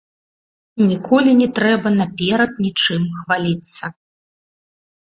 Ніколі не трэба наперад нічым хваліцца.